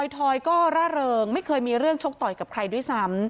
ทอยก็ร่าเริงไม่เคยมีเรื่องชกต่อยกับใครด้วยซ้ำ